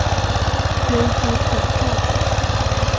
有子孔昭俭。